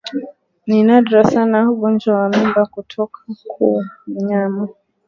Ni nadra sana ugonjwa wa mimba kutoka kuu mnyama